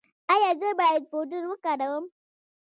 ایا زه باید پوډر وکاروم؟